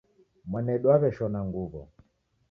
Mwanedu waweshona nguwo